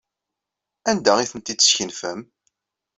Anda ay tent-id-teskenfem?